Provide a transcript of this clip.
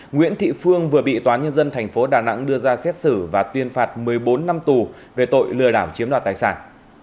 nguyễn thị phương vừa bị tòa nhân dân tp đà nẵng đưa ra xét xử và tuyên phạt một mươi bốn năm tù về tội lừa đảo chiếm đoạt tài sản